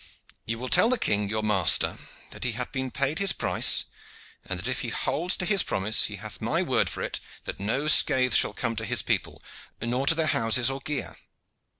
"You will tell the king, your master, that he hath been paid his price and that if he holds to his promise he hath my word for it that no scath shall come to his people, nor to their houses or gear.